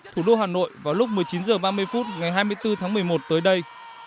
thủ đô hà nội vào lúc một mươi chín h ba mươi phút ngày hai mươi bốn tháng một mươi một tới đây